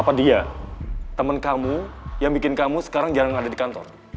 apa dia teman kamu yang bikin kamu sekarang jarang ada di kantor